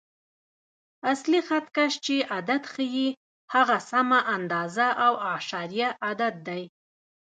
اصلي خط کش چې عدد ښیي، هغه سمه اندازه او اعشاریه عدد دی.